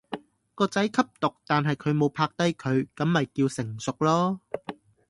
個仔吸毒但係佢無拍低佢，咁咪叫成熟囉